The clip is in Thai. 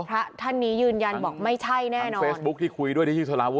พระท่านนี้ยืนยันบอกไม่ใช่แน่นอนเฟซบุ๊คที่คุยด้วยที่สลาว